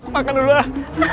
makan dulu ah